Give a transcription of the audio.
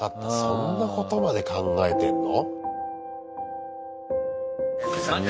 そんなことまで考えてんの？